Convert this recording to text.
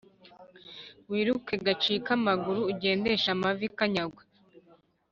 wiruke; gacike amaguru uge ndeshe amavi; kanyagwe